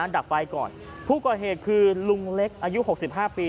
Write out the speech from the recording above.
ดับไฟก่อนผู้ก่อเหตุคือลุงเล็กอายุ๖๕ปี